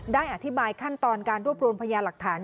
ได้อธิบายขั้นตอนการรวบรวมพยาหลักฐาน